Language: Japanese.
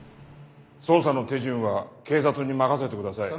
捜査の手順は警察に任せてください。